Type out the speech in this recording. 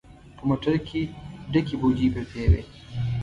په موټر کې ډکې بوجۍ پرتې وې.